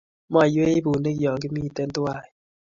Maywei bunik yogimiten tuwai